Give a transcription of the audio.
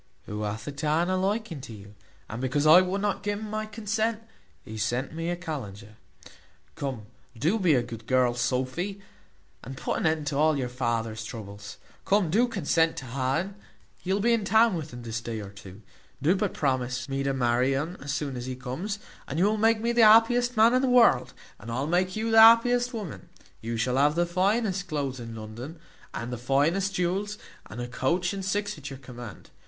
who hath a taan a liking to you, and because I would not gi un my consent, he sent me a kallenge. Come, do be a good girl, Sophy, and put an end to all your father's troubles; come, do consent to ha un; he will be in town within this day or two; do but promise me to marry un as soon as he comes, and you will make me the happiest man in the world, and I will make you the happiest woman; you shall have the finest cloaths in London, and the finest jewels, and a coach and six at your command.